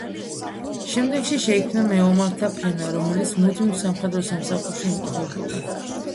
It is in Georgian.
შემდეგში შეიქმნა მეომართა ფენა, რომელიც მუდმივ სამხედრო სამსახურში იმყოფებოდა.